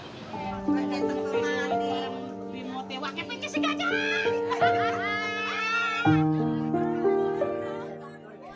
kedua orang tua tersebut untuk diarahkan pulang ke rumahnya